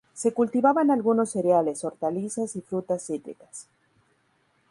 Se cultivaban algunos cereales, hortalizas y frutas cítricas.